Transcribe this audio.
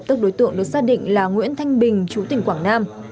tức đối tượng được xác định là nguyễn thanh bình chú tỉnh quảng nam